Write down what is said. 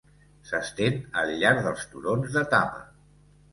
S'estén al llarg dels turons de Tama.